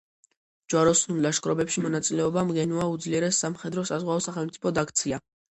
ჯვაროსნულ ლაშქრობებში მონაწილეობამ გენუა უძლიერეს სამხედრო-საზღვაო სახელმწიფოდ აქცია.